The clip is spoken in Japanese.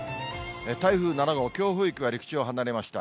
台風７号、強風域は陸地を離れました。